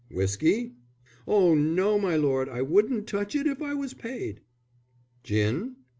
"Whiskey?" "Oh, no, my lord. I wouldn't touch it if I was paid." "Gin?"